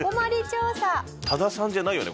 多田さんじゃないよね？